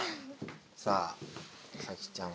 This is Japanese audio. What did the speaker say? さあサキちゃん